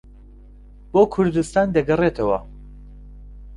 بۆ کوردستان دەگەڕێتەوە